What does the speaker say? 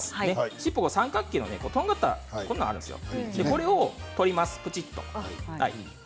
尻尾は三角形のとがったこんなのがあるんですよ。